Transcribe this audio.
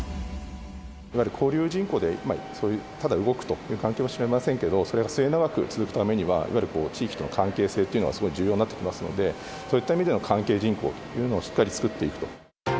いわゆる交流人口でただ動くという関係かもしれませんけれども、それが末永く続くためには、いわゆる地域との関係性というのがすごい重要になってきますので、そういった意味での関係人口というのをしっかり作っていくと。